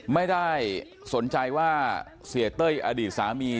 ไม่ได้สนใจว่าเสียเต้ยอดีตสามี